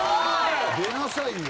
出なさいよ。